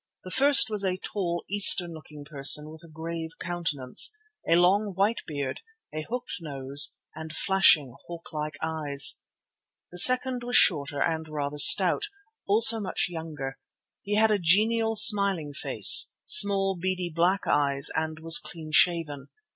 The first was a tall, Eastern looking person with a grave countenance, a long, white beard, a hooked nose, and flashing, hawk like eyes. The second was shorter and rather stout, also much younger. He had a genial, smiling face, small, beady black eyes, and was clean shaven.